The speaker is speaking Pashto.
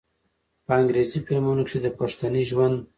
په انګرېزي فلمونو کښې د پښتني ژوند